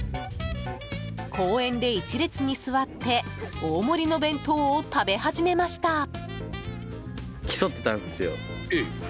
公園で１列に座って大盛りの弁当を食べ始めました。